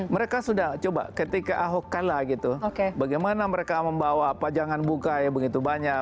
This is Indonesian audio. mereka sudah coba ketika ahok kalah gitu bagaimana mereka membawa pajangan buka yang begitu banyak